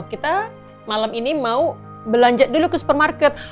kita malam ini mau belanja dulu ke supermarket